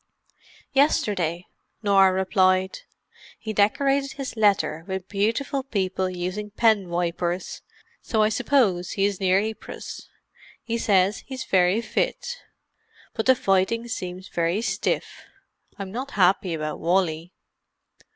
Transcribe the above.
"Yesterday," Norah replied. "He decorated his letter with beautiful people using pen wipers, so I suppose he is near Ypres. He says he's very fit. But the fighting seems very stiff. I'm not happy about Wally."